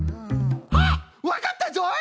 あっわかったぞい！